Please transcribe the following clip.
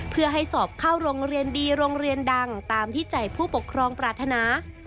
เพื่อให้สอบเข้าโรงเรียนดีโรงเรียนดังตามที่ใจผู้ปกครองปรารถนา